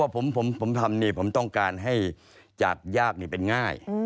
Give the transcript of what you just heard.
เพราะว่าผมทำนี่ผมต้องการให้จากยากเป็นง่าย